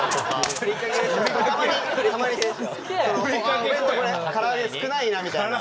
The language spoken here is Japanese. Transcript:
あお弁当これから揚げ少ないなみたいな。